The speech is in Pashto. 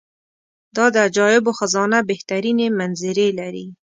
دا د عجایبو خزانه بهترینې منظرې لري.